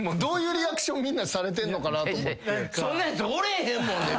そんなやつおれへんもんでも。